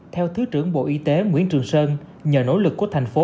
theo thứ trưởng bộ y tế nguyễn trường sơn nhờ nỗ lực của thành phố